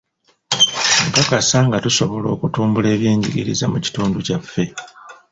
Nkakasa nga tusobola okutumbula eby'enjigiriza mu kitundu kyaffe.